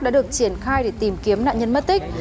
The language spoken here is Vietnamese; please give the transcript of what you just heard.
đã được triển khai để tìm kiếm nạn nhân mất tích